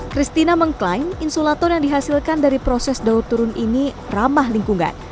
christina mengklaim insulator yang dihasilkan dari proses daur turun ini ramah lingkungan